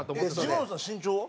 ジモンさん身長は？